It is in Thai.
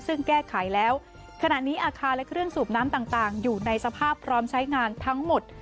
ซึ่งแก้ไขแล้วขณะนี้อาคารและเครื่องสูบน้ำต่างอยู่ในสภาพพร้อมใช้งานทั้งหมด